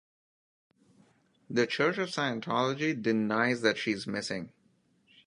The Church of Scientology denies that she is missing.